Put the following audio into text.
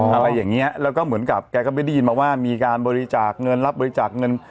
อะไรอย่างเงี้ยแล้วก็เหมือนกับแกก็ไม่ได้ยินมาว่ามีการบริจาคเงินรับบริจาคเงิน